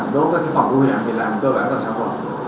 đối với phòng vụ hiểm thì là cơ bản tầng sản phẩm